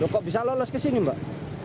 kok bisa lolos ke sini mbak